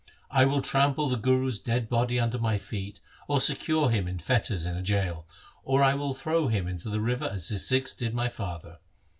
' I will trample the Guru's dead body under my feet or secure him in fetters in a jail, or I will throw him into the river as his Sikhs did my father.